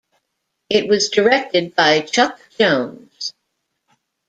It was directed by Chuck Jones.